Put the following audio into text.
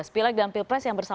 pileg dan pilpres yang bersama